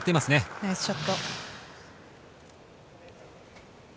ナイスショット。